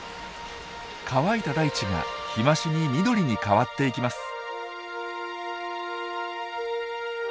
乾いた大地が日増しに緑に変わっていきます。